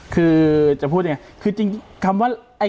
คือจะพูดยังไงคือจริงคำว่า